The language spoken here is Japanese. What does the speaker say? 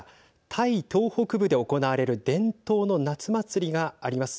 タイ東北部で行われる伝統の夏祭りがあります。